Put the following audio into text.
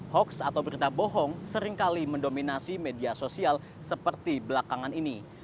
hoax atau berita bohong seringkali mendominasi media sosial seperti belakangan ini